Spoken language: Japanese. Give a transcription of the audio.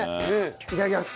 いただきます！